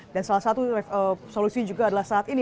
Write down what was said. dan salah satu solusi juga adalah saat ini